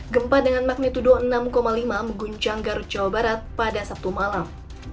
gempa dengan magnitudo enam lima mengguncang garut jawa barat pada sabtu malam